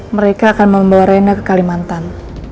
mereka akan membawa reina ke kalimantan